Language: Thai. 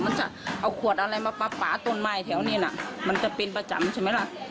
มันจะเอาขวดอะไรมาปลาต้นไม้แถวนี้น่ะมันจะเป็นประจำใช่ไหมล่ะ